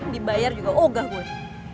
dibayar juga ogah gue